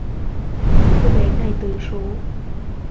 Cô bé này tới số